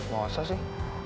gak usah sih